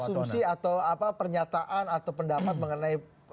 dan asumsi atau apa pernyataan atau pendapat mengenai